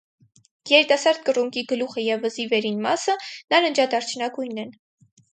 Երիտասարդ կռունկի գլուխը և վզի վերին մասը նարնջադարչնագույն են։